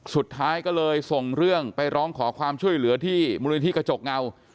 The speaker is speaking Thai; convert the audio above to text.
สุดท้ายก็เลยส่งเรื่องไปร้องขอความช่วยเหลือที่มูลนิธิกระจกเงา